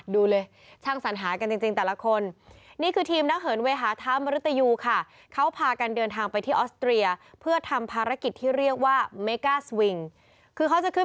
ดูเลยช่างสัญหากันจริงแต่ละคน